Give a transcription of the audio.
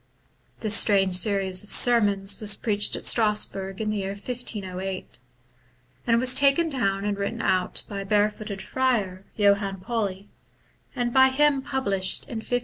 This strange series of sermons was preached at Strasbourg in the year 1508, and was taken down and written out by a barefooted friar, Johann Pauli, and by him published in 1517.